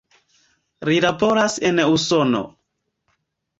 Li laboras en Usono.